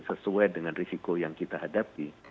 sesuai dengan risiko yang kita hadapi